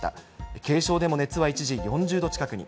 軽症でも熱は一時４０度近くに。